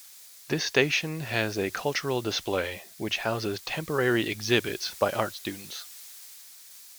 This station has a cultural display, which houses temporary exhibits by art students.